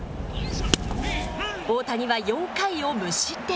大谷は４回を無失点。